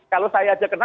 kalau saya saja kena